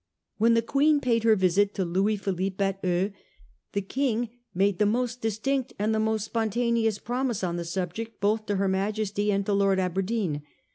When the Queen paid her visit to Louis Philippe at Eu, the king made the most distinct and the most spontaneous promise on the subject both to her Majesty and to Lord Aberdeen.